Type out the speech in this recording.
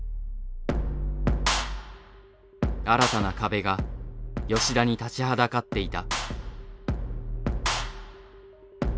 新たな壁が吉田に立ちはだかっていた。